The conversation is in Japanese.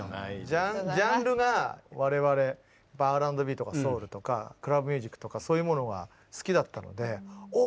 ジャンルが我々Ｒ＆Ｂとかソウルとかクラブミュージックとかそういうものが好きだったのでおお